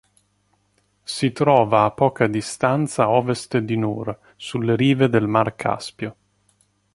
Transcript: Si trova a poca distanza a ovest di Nur, sulle rive del mar Caspio.